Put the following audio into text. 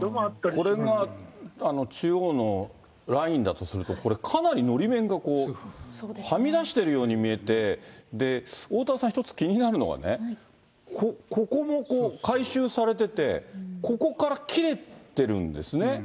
これが中央のラインだとすると、これ、かなりのり面がこう、はみ出してるように見えて、おおたわさん、一つ気になるのはね、ここも改修されてて、ここから切れてるんですね。